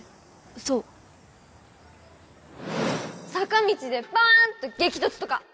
そう坂道でバーンと激突とか